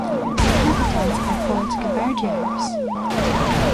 Inhabitants are called Gabardiars.